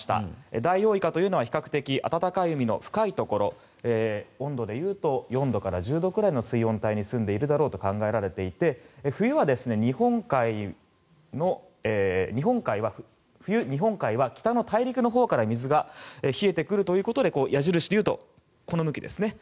ダイオウイカというのは比較的暖かい海の深いところ温度でいうと４度から１０度ぐらいの水温帯にすんでいるだろうと考えられていて冬、日本海は北の大陸のほうから水が冷えてくるということで矢印でいうと、下向きですね。